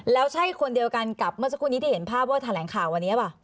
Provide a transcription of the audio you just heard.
แล้วใช่คนเดียวกันกับเมื่อสักครู่นี้ที่เห็นภาพว่าแถลงข่าววันนี้หรือเปล่า